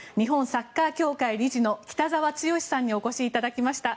サッカー協会理事の北澤豪さんにお越しいただきました。